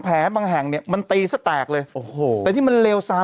บางแห่งเนี่ยมันตีซะแตกเลยโอ้โหแต่ที่มันเลวซ้าย